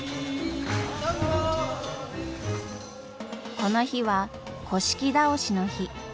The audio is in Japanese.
この日は倒しの日。